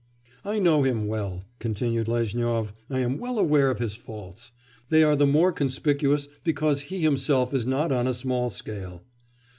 'I know him well,' continued Lezhnyov, 'I am well aware of his faults. They are the more conspicuous because he himself is not on a small scale.